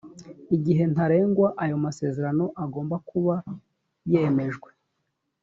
igihe ntarengwa ayo masezerano agomba kuba yemejwe